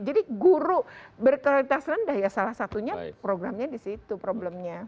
jadi guru berkualitas rendah ya salah satunya programnya disitu problemnya